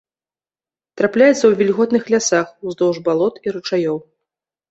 Трапляецца ў вільготных лясах, уздоўж балот і ручаёў.